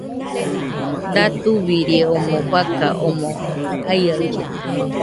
Datubirie omoi fakan omɨ aiaɨllena.